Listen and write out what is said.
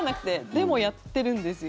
でも、やってるんですよ。